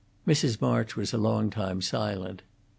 Mrs. March was a long time silent.